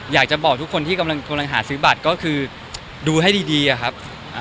อยากจะบอกทุกคนที่กำลังหาซื้อบัตรก็คือดูให้ดีอะครับ